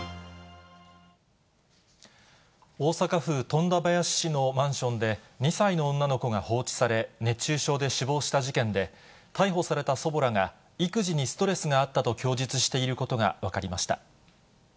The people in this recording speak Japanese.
大阪府富田林市のマンションで、２歳の女の子が放置され、熱中症で死亡した事件で、逮捕された祖母らが、育児にストレスがあったと供述していることが分かりました。